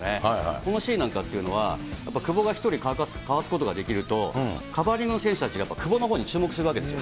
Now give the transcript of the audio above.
そのシーンなんかはやっぱり久保が１人かわすことができると、カバーリングの選手たちが久保のほうに注目するわけですよ。